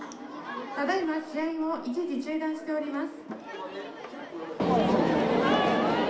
ただいま試合を一時中断しております。